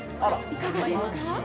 ◆いかがですか？